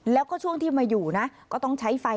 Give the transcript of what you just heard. แล้วก็ช่วงที่มาอยู่นะก็ต้องใช้ไฟ